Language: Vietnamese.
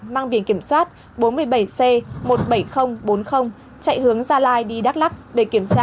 mang biển kiểm soát bốn mươi bảy c một mươi bảy nghìn bốn mươi chạy hướng gia lai đi đắk lắc để kiểm tra